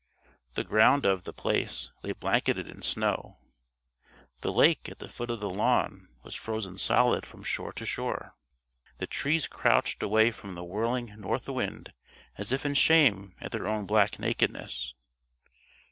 The ground of The Place lay blanketed in snow. The lake at the foot of the lawn was frozen solid from shore to shore. The trees crouched away from the whirling north wind as if in shame at their own black nakedness.